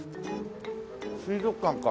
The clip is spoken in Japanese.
水族館か。